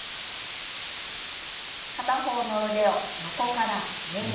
片方の腕を横から上に。